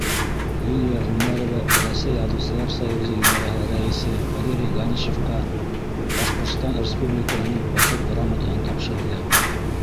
Лилиә Ғүмәрова Рәсәй Яҙыусылар союзы идараһы рәйесе Валерий Ганичевҡа Башҡортостан Республикаһының Почет грамотаһын тапшырҙы.